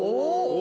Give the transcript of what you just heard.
お！